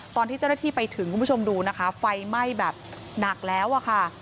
ตอนที่เจ้าหน้าที่ไปถึงคุณผู้ชมดูนะคะไฟไหม้แบบหนักแล้วอะค่ะ